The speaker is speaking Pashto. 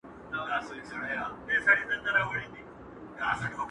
له ځانه بېل سومه له ځانه څه سېوا يمه زه”